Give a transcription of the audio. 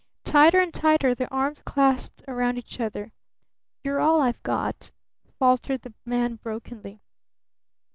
Tighter and tighter their arms clasped round each other. "You're all I've got," faltered the man brokenly.